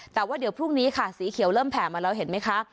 แต่ว่าเดี๋ยวพรุ่งนี้ค่ะสีเขียวเริ่มแผ่มาแล้วเห็นไหมคะ